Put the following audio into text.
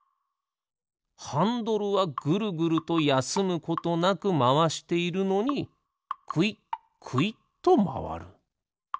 ハンドルはぐるぐるとやすむことなくまわしているのにくいっくいっとまわる。